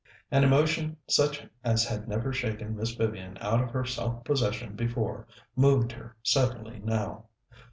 An emotion such as had never shaken Miss Vivian out of her self possession before, moved her suddenly now.